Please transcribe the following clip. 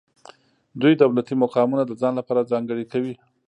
دوی دولتي مقامونه د ځان لپاره ځانګړي کوي.